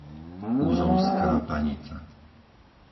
Uzovská Panica